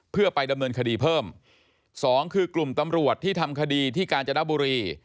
เพื่อไปดำเนินคดีเพิ่มสองคือกลุ่มตำรวจที่ทำคดีที่กาญจนบุรี